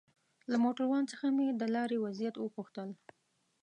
له موټروان څخه مې د لارې وضعيت وپوښتل.